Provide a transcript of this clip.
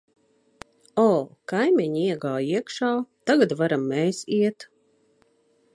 O, kaimiņi iegāja iekšā, tagad varam mēs iet.